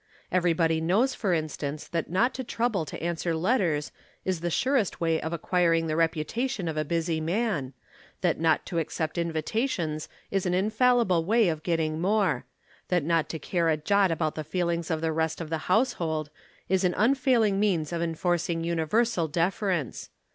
Everybody knows for instance that not to trouble to answer letters is the surest way of acquiring the reputation of a busy man, that not to accept invitations is an infallible way of getting more, that not to care a jot about the feelings of the rest of the household, is an unfailing means of enforcing universal deference.